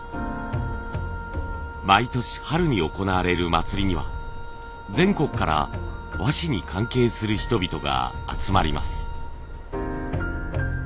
毎年春に行われる祭りには全国から和紙に関係する人々が集まります。